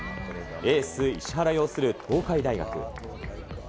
エース、石原擁する東海大学。